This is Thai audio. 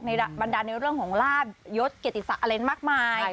ในบันดาลในเรื่องของราชยศเกียรติศาลัยมากมาย